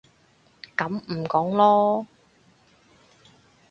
噉唔講囉